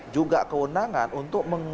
juga kewenangan untuk